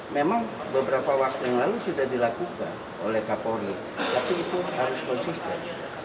memang beberapa waktu yang lalu sudah dilakukan oleh kapolri tapi itu harus konsisten